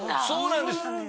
そうなんです。